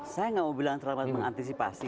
saya gak mau bilang terlambat mengantisipasi